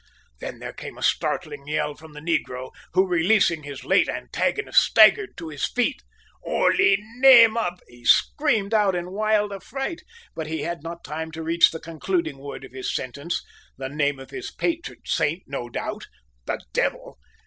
Then there came a startled yell from the negro, who, releasing his late antagonist, staggered to his feet. "Holy name of " he screamed out in wild affright, but he had not time to reach the concluding word of his sentence the name of his patron saint, no doubt "the devil!"